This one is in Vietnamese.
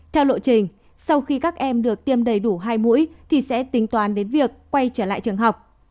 theo lộ trình sau khi các em được tiêm đầy đủ hai mũi thì sẽ tính toán đến việc quay trở lại trường học